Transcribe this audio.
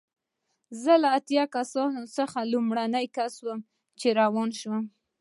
زه له اتیا کسانو څخه لومړنی کس وم چې روان شوم.